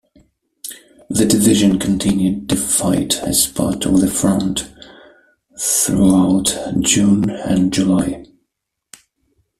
The division continued to fight as part of the front throughout June and July.